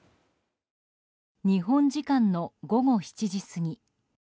日本時間の午後７時過ぎ。